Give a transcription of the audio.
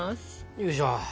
よいしょ。